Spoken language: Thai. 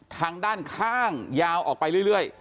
ทางด้านข้างยาวออกไปเรื่อย